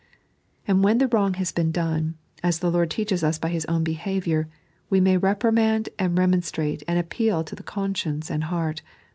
And when the wrong hae been done, as the Lord teaches UB by His own behaviour, we may reprimand and remon strate and appeal to the conscience and heart.